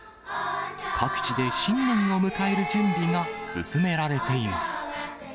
各地で新年を迎える準備が進められています。